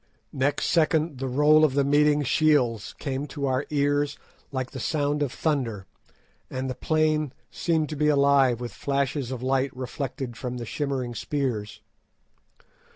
Next second the roll of the meeting shields came to our ears like the sound of thunder, and the plain seemed to be alive with flashes of light reflected from the shimmering spears.